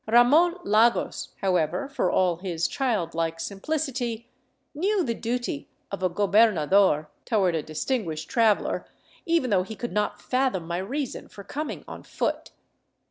Ramon Lagos, how ever, for all his childlike simplicity, knew the duty of a gobernador toward a distinguished traveler, even though he could not fathom my reason for coming on foot.